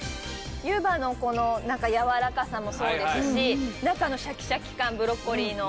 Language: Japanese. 湯葉のこの軟らかさもそうですし中のシャキシャキ感ブロッコリーの。